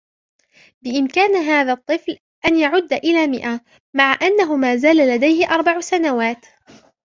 بإمكان هذا الطفل أن يعد إلى مئة مع أنه ما زال لديه أربع سنوات.